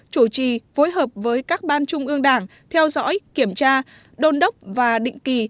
chủ trì phối hợp với các ban trung ương đảng theo dõi kiểm tra đôn đốc và định kỳ